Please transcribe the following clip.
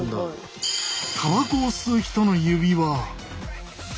たばこを吸う人の指は。